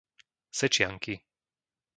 Sečianky